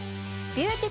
ビューティ